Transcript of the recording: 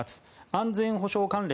安全保障関連